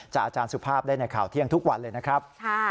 อาจารย์สุภาพได้ในข่าวเที่ยงทุกวันเลยนะครับ